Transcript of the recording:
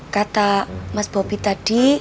kata mas bobby tadi